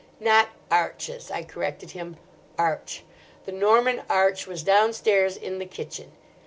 "Not arches," I corrected him; "Arch. The Norman arch was downstairs in the kitchen.